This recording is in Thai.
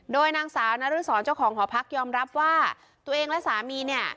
โดยนางสาวนรสรเจ้าของหอพักยอมรับว่าตัวเองและสามีเนี่ย